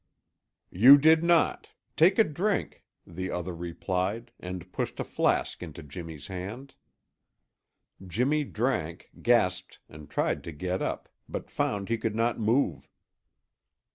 "You did not. Take a drink," the other replied and pushed a flask into Jimmy's hand. Jimmy drank, gasped, and tried to get up, but found he could not move.